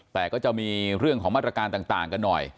แต่ก็จะมีเรื่องของมาตรการต่างกันหน่อย